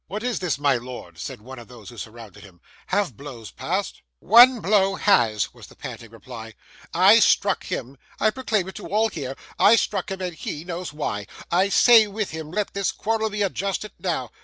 'What is this, my lord?' said one of those who surrounded him. 'Have blows passed?' 'ONE blow has,' was the panting reply. 'I struck him. I proclaim it to all here! I struck him, and he knows why. I say, with him, let this quarrel be adjusted now.